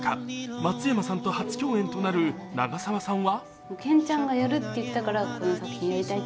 松山さんと初共演となる長澤さんは。